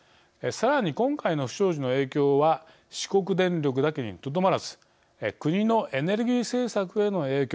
さらに、今回の不祥事の影響は四国電力だけにとどまらず国のエネルギー政策への影響